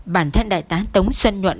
bản thân đại tá tống xuân nhuận